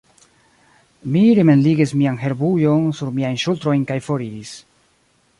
Mi rimenligis mian herbujon sur miajn ŝultrojn kaj foriris.